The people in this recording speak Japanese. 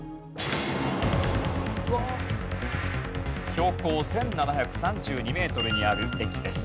標高１７３２メートルにある駅です。